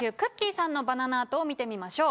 さんのバナナアートを見てみましょう。